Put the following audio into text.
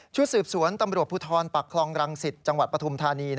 สืบสวนตำรวจภูทรปักคลองรังสิตจังหวัดปฐุมธานี